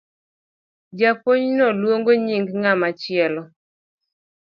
Japuonj no luongo nying ngama chielo.